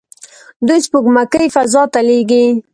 دوی سپوږمکۍ فضا ته لیږي.